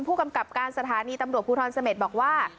ผู้กำกับการสถานีตำรวจภูทรเสม็ดบอกว่า